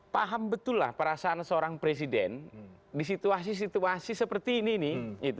paham betullah perasaan seorang presiden di situasi situasi seperti ini nih